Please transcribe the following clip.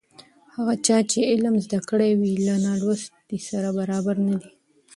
هغه چا چې علم زده کړی وي له نالوستي سره برابر نه دی.